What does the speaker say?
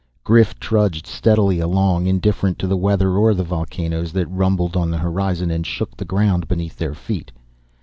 Grif trudged steadily along, indifferent to the weather or the volcanoes that rumbled on the horizon and shook the ground beneath their feet.